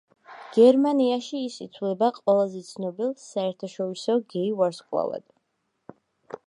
გერმანიაში ის ითვლება ყველაზე ცნობილ საერთაშორისო გეი ვარსკვლავად.